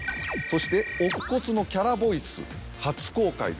そして乙骨のキャラボイス初公開。